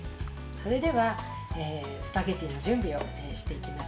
それでは、スパゲッティの準備をしていきます。